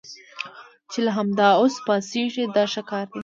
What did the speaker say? چې له همدا اوس پاڅېږئ دا ښه کار دی.